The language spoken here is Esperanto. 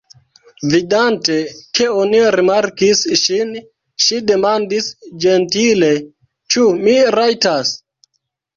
Vidante, ke oni rimarkis ŝin, ŝi demandis ĝentile: Ĉu mi rajtas?